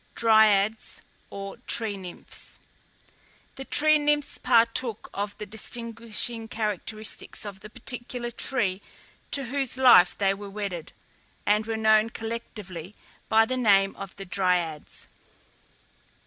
DRYADES, OR TREE NYMPHS. The tree nymphs partook of the distinguishing characteristics of the particular tree to whose life they were wedded, and were known collectively by the name of the Dryades.